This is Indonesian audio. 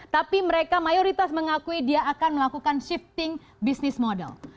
tapi mereka mayoritas mengakui dia akan melakukan shifting business model